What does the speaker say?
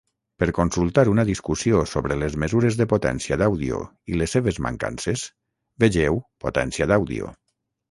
Per consultar una discussió sobre les mesures de potència d'àudio i les seves mancances, vegeu Potència d'àudio.